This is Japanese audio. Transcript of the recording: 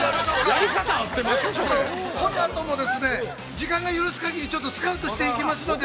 ◆ちょっとこのあとも時間が許す限りスカウトしていきますので。